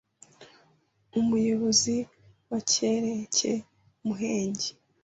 Umuyobozi w’Ekerere ke Muhenge